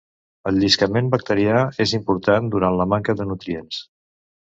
El lliscament bacterià és important durant la manca de nutrients.